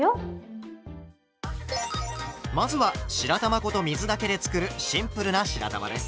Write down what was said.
まずは白玉粉と水だけで作るシンプルな白玉です。